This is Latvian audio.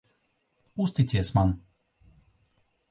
Uzticies man.